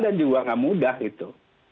dan juga tidak mudah itu